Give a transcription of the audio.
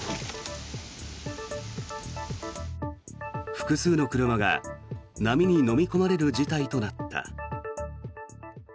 複数の車が波にのみ込まれる事態となった。